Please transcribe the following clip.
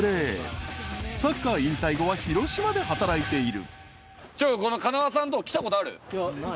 ［サッカー引退後は広島で働いている］